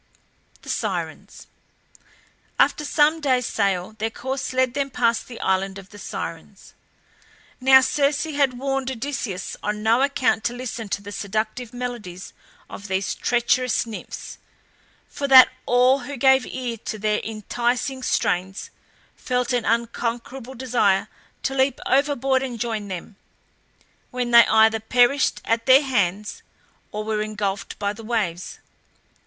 THE SIRENS. After some days' sail their course led them past the island of the Sirens. Now Circe had warned Odysseus on no account to listen to the seductive melodies of these treacherous nymphs; for that all who gave ear to their enticing strains felt an unconquerable desire to leap overboard and join them, when they either perished at their hands, or were engulfed by the waves.